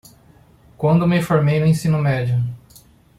Quando me formei no ensino médio